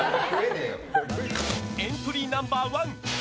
エントリーナンバー１。